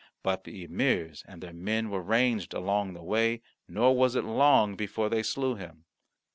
But the emirs and their men were ranged along the way, nor was it long before they slew him.